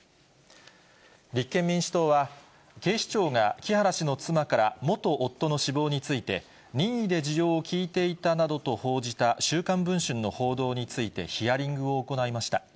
立憲民主党は、警視庁が木原氏の妻から元夫の死亡について、任意で事情を聴いていたなどと報じた週刊文春の報道について、ヒアリングを行いました。